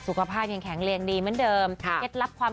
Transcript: สุขภาพยังแข็งแรงดีเหมือนเดิม